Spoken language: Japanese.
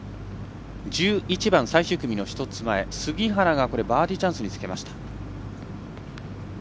１１番、最終組の１つ前杉原がバーディーチャンスにつけました。